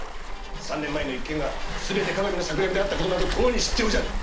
三年前の一件がすべて各務の策略であったことなどとうに知っておじゃる。